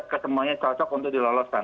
kesemuanya cocok untuk diloloskan